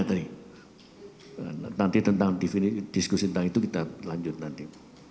nanti tentang diskusi tentang itu kita lanjut nanti